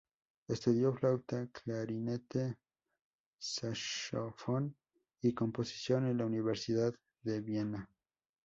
Estudió flauta, clarinete, saxofón y composición en la Universidad de Viena.